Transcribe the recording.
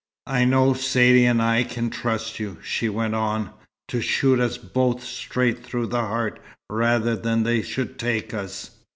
"I know Saidee and I can trust you," she went on, "to shoot us both straight through the heart rather than they should take us.